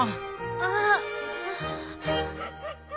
ああ。